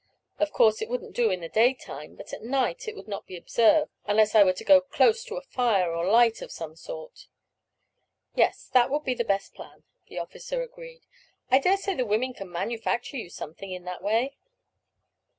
Of course it wouldn't do in the daytime, but at night it would not be observed, unless I were to go close to a fire or light of some sort." "Yes, that would be the best plan," the officer agreed. "I dare say the women can manufacture you something in that way.